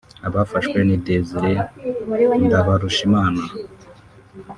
Abafashwe ni Desire Ndabarushimana